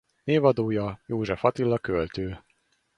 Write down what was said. Névadója József Attila költő.